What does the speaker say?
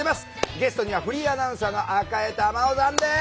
ゲストにはフリーアナウンサーの赤江珠緒さんです。